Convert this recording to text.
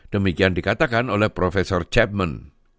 demikian dikatakan oleh prof chapment